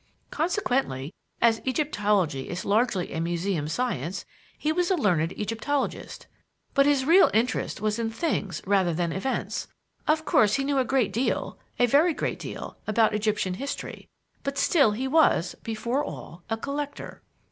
Consequently, as Egyptology is largely a museum science, he was a learned Egyptologist. But his real interest was in things rather than events. Of course, he knew a great deal a very great deal about Egyptian history, but still he was, before all, a collector."